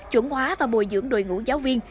chuẩn hóa và bồi dưỡng đội ngũ giáo viên